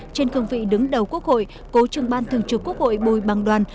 trên cương vị đứng đầu quốc hội cố trưởng ban thường trực quốc hội bùi bằng đoàn